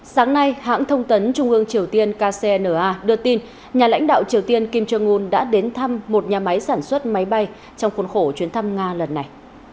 sáng nay hãng thông tấn trung ương triều tiên kcna đưa tin nhà lãnh đạo triều tiên kim jong un đã đến thăm một nhà máy sản xuất máy bay trong khuôn khổ chuyến thăm nga lần này